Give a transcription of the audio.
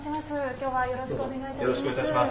きょうはよろしくお願いいたします。